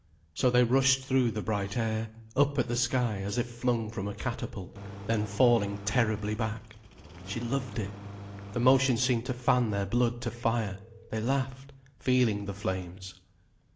So they rushed through the bright air, up at the sky as if flung from a catapult, then falling terribly back. She loved it. The motion seemed to fan their blood to fire, they laughed, feeling the flames.